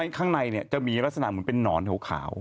ข้างในจะมีลักษณะเหมือนเป็นนอนขาว